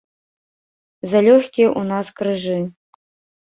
Залёгкія ў нас крыжы.